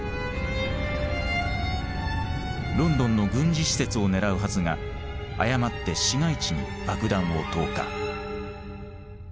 ロンドンの軍事施設を狙うはずが誤って市街地に爆弾を投下。